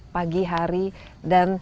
pagi hari dan